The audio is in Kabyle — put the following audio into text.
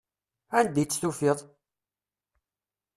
Anda i tt-tufiḍ?